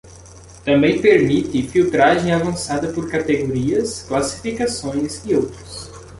Também permite filtragem avançada por categorias, classificações e outros.